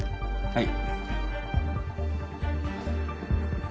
はい。